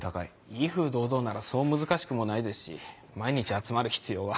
『威風堂々』ならそう難しくもないですし毎日集まる必要は。